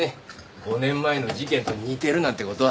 ５年前の事件と似てるなんて事は。